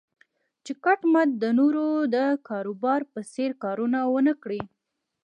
چې کټ مټ د نورو د کاروبار په څېر کارونه و نه کړي.